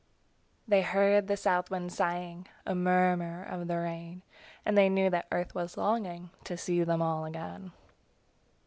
They heard the South wind sighing A murmur of the rain; And they knew that Earth was longing To see them all again.